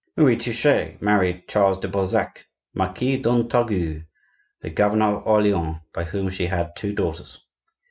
Marie Touchet married Charles de Balzac, Marquis d'Entragues, the governor of Orleans, by whom she had two daughters.